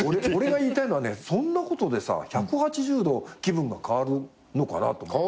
俺が言いたいのはねそんなことでさ１８０度気分が変わるのかなと。